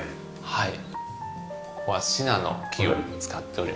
はい。